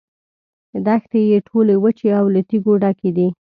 دښتې یې ټولې وچې او له تیږو ډکې دي.